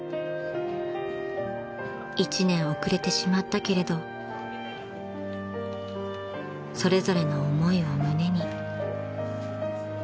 ［１年遅れてしまったけれどそれぞれの思いを胸に］